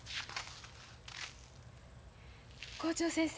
校長先生。